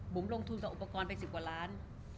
บุ๋มลงทุนกับอุปกรณ์ไปสิบกว่าร้าน